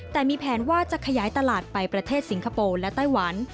แต่มีแผนว่าจะขยายตลาดไปประเทศสิงคโปร์และไต้หวัน